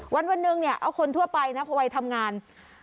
วันหนึ่งเนี่ยเอาคนทั่วไปนะพอวัยทำงาน